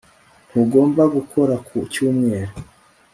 ntugomba gukora ku cyumweru